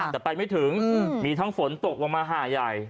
แต่ไปไม่ถึงมีทั้งฝนตกมามาห่ายาย